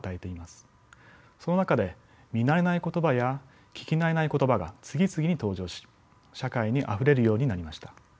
その中で見慣れない言葉や聞き慣れない言葉が次々に登場し社会にあふれるようになりました。